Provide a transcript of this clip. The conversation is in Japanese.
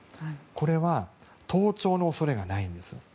これは盗聴の恐れがないんですよ。